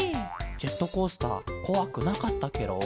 ジェットコースターこわくなかったケロ？